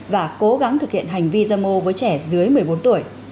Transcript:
và cố gắng thực hiện hành vi dâm ô với trẻ dưới một mươi bốn tuổi